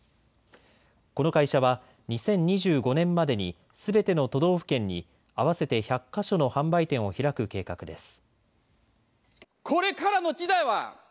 この会社は２０２５年までにすべての都道府県に合わせて１００か所の販売店を開く計画です。